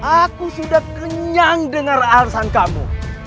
aku sudah kenyang dengar alasan kamu